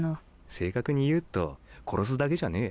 正確に言うと殺すだけじゃねえ。